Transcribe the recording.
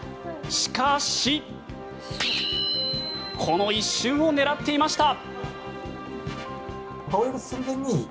しかし、この一瞬を狙っていました。